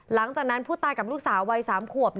หลังจากนั้นผู้ตายกับลูกสาววัย๓ขวบ